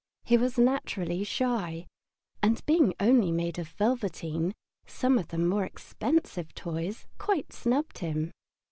He was naturally shy, and being only made of velveteen, some of the more expensive toys quite snubbed him.